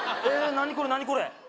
何これ何これ